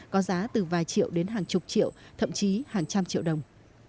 có giá từ vài triệu đến hàng chục triệu thậm chí hàng trăm triệu đồng